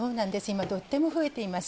今とっても増えています